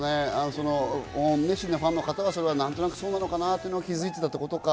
熱心なファンの方は何となくそうなのかなと気づいていたことか。